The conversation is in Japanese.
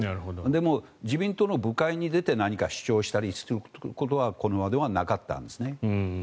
でも自民党の部会に出て何か主張したりすることはこれまではなかったんです。